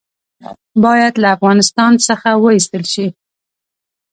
باید له افغانستان څخه وایستل شي.